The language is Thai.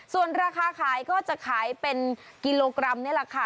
ส่วนราคาขายก็จะขายเป็นกิโลกรัมนี่แหละค่ะ